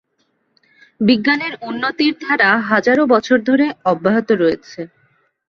বিজ্ঞানের উন্নতির ধারা হাজারো বছর ধরে অব্যহত রয়েছে।